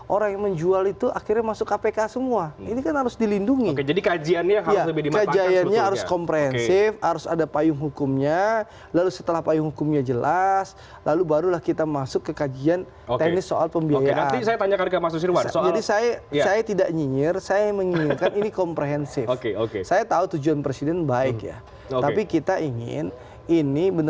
orang orang yang menjual aset negara itu harus dibentukkan